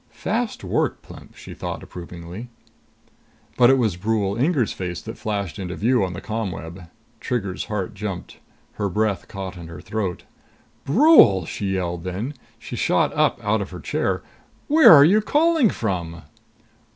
Fast work, Plemp, she thought approvingly. But it was Brule Inger's face that flashed into view on the ComWeb. Trigger's heart jumped. Her breath caught in her throat. "Brule!" she yelled then. She shot up out of her chair. "Where are you calling from?"